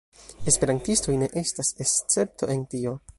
Esperantistoj ne estas escepto en tio.